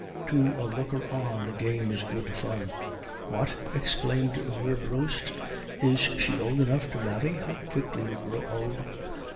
To a looker on, the game is good fun.' "'What!' exclaimed Werbrust, 'is she old enough to marry? How quickly we grow old!